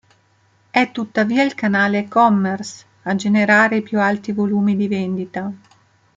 È tuttavia il canale e-commerce a generare i più alti volumi di vendita.